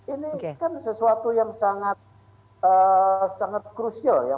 ini kan sesuatu yang sangat krusial ya